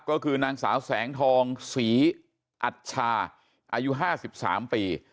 ก็คือนางสาวแสงทองศรีอัชชาอายุ๕๓ปี